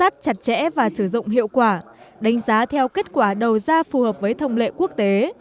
chặt chẽ và sử dụng hiệu quả đánh giá theo kết quả đầu ra phù hợp với thông lệ quốc tế